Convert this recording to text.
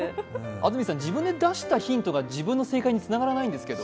安住さん、自分で出したヒントが自分の正解につながらないんですけど。